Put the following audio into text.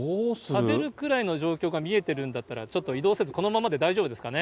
食べるくらいの状況が見えてるんだったら、ちょっと移動せず、このままで大丈夫ですかね。